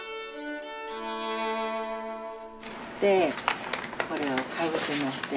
でこれをかぶせまして。